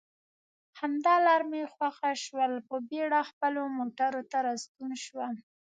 همدا لار مې خوښه شول، په بېړه خپلو موټرو ته راستون شوم.